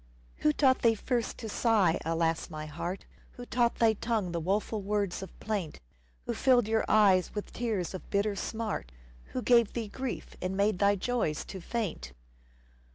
Who taught thee first to sigh, alas ! my heart ? Who taught thy tongue the woeful words of plaint ? Who filled your eyes with tears of bitter smart ? Who gave thee grief and made thy joys to faint